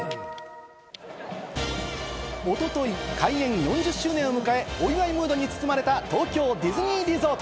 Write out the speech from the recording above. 一昨日、開園４０周年を迎え、お祝いムードにつつまれた東京ディズニーリゾート。